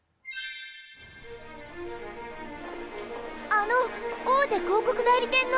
あの大手広告代理店の！